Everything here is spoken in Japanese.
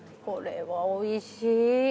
これはおいしい。